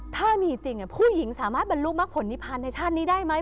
ถ้ามีจริงผู้หญิงสามารถบรรลุมักผลนิพันธ์ในชาตินี้ได้ไหม